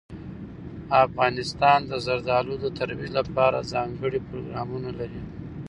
افغانستان د زردالو د ترویج لپاره ځانګړي پروګرامونه لري.